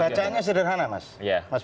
bacaannya sederhana mas